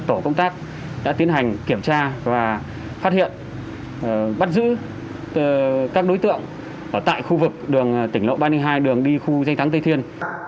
tổ công tác đã tiến hành kiểm tra và phát hiện bắt giữ các đối tượng ở tại khu vực đường tỉnh lộ ba mươi hai đường đi khu danh thắng tây thiên